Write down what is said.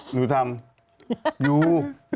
นูทำ